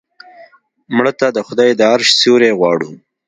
مړه ته د خدای د عرش سیوری غواړو